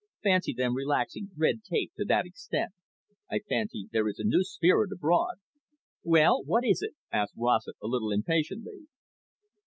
"Fancy them relaxing red tape to that extent! I fancy there is a new spirit abroad." "Well, what is it?" asked Rossett a little impatiently.